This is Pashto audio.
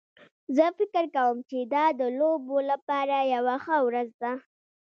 زه فکر کوم چې دا د لوبو لپاره یوه ښه ورځ ده